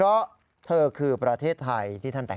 นายยกรัฐมนตรีพบกับทัพนักกีฬาที่กลับมาจากโอลิมปิก๒๐๑๖